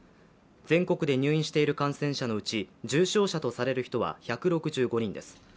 全国で入院している感染者のうち重症者とされる人は１６５人です。